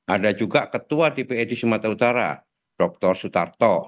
ada juga ketua dpd sumatera utara dr sutarto